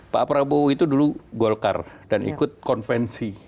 pak prabowo itu dulu golkar dan ikut konvensi